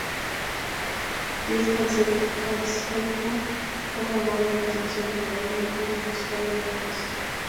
Diez Canseco fue formado en las divisiones menores del Club Universitario de Deportes.